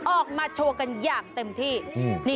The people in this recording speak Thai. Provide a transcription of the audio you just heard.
ออกมาโชว์กันอย่างเต็มที่